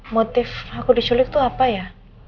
motif aku disulik itu apa ya